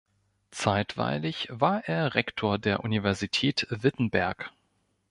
Zeitweilig war er Rektor der Universität Wittenberg.